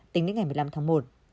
tính đến ngày một mươi năm tháng một